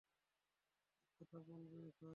ও কথা বলবে এখন?